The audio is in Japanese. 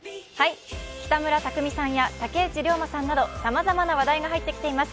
北村匠海さんや竹内涼真さんなどさまざまな話題が入ってきています。